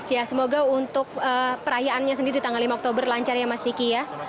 ya semoga untuk perayaannya sendiri di tanggal lima oktober lancar ya mas diki ya